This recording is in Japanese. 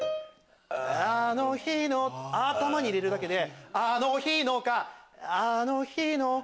あの日の頭に入れるだけで「あの日の」か「あの日の」。